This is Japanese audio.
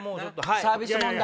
サービス問題。